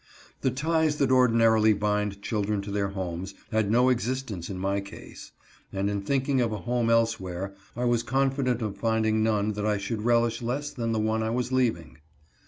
The ties that ordinarily bind children to their homes had no existence in my case, and in thinking of a home else where, I was confident of finding none that I should relish less than the one I was leaving.